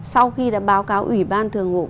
sau khi đã báo cáo ủy ban thường hội